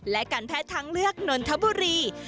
และการแพทย์ทางเลือกนนทบุรี